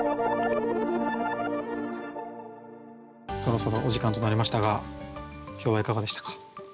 そろそろお時間となりましたが今日はいかがでしたか？